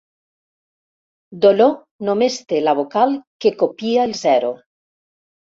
Dolor només té la vocal que copia el zero.